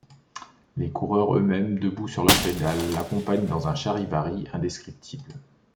Les coureurs eux-mêmes debout sur leurs pédales, l'accompagnent dans un charivari indescriptible.